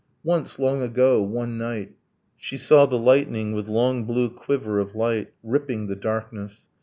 Once, long ago, one night, She saw the lightning, with long blue quiver of light, Ripping the darkness